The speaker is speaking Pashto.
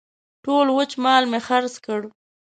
ټول وچ مال مې خرڅ کړ.